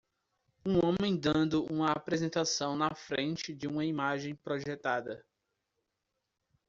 Um homem dando uma apresentação na frente de uma imagem projetada